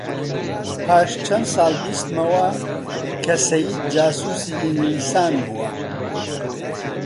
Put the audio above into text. پاش چەند ساڵ بیستمەوە کە سەید جاسووسی ئینگلیسان بووە